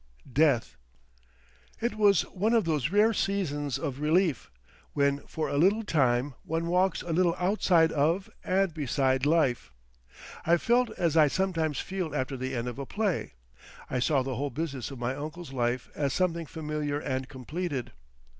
Death! It was one of those rare seasons of relief, when for a little time one walks a little outside of and beside life. I felt as I sometimes feel after the end of a play. I saw the whole business of my uncle's life as something familiar and completed.